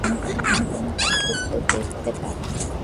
আমি কোনো পার্থক্য দেখতে পাচ্ছি না।